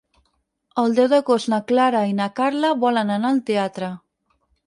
El deu d'agost na Clara i na Carla volen anar al teatre.